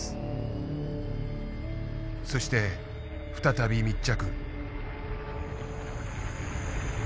そして再び密着。